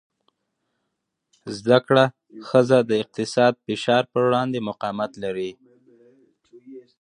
زده کړه ښځه د اقتصادي فشار پر وړاندې مقاومت لري.